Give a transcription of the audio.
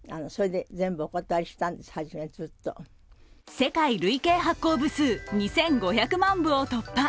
世界累計発行部数２５００万部を突破。